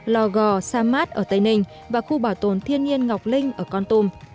lò gò sa mát ở tây ninh và khu bảo tồn thiên nhiên ngọc linh ở con tum